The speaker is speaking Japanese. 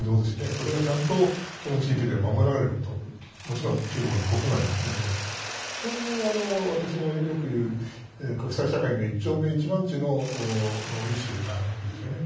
これはちゃんとこの地域で守られることもちろん中国国内も含めてですがそういう私のよく言う国際社会の一丁目一番地のイシューがあるわけですね。